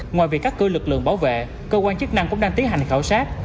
ngoài việc cắt cử lực lượng bảo vệ cơ quan chức năng cũng đang tiến hành khảo sát